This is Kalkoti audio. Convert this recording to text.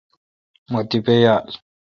مہ تیپہ یال۔